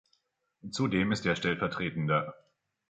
Zudem ist er stellv.